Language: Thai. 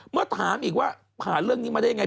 เมื่อถามอีกว่าผ่านเรื่องนี้มาได้ยังไง